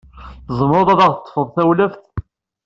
Tzemreḍ ad aɣ-teṭṭfeḍ tawlaft?